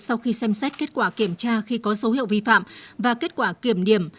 sau khi xem xét kết quả kiểm tra khi có dấu hiệu vi phạm và kết quả kiểm điểm